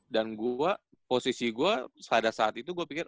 dan gua posisi gua pada saat itu gua pikir